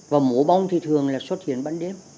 và mùa bóng thì thường là xuất hiện ban đêm